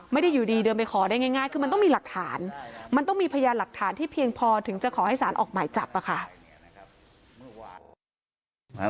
ไม่ได้อยู่ดีเดินไปขอได้ง่ายคือมันต้องมีหลักฐานมันต้องมีพยานหลักฐานที่เพียงพอถึงจะขอให้สารออกหมายจับอะค่ะ